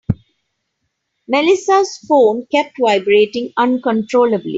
Melissa's phone kept vibrating uncontrollably.